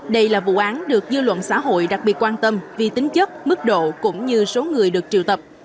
đây là vụ án được dư luận xã hội đặc biệt quan tâm vì tính chất mức độ cũng như số người được triệu tập